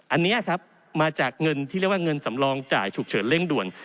อันนี้ครับมาจากเงินที่เรียกว่าเงินสำรองจ่ายฉุกเฉินเร่งด่วน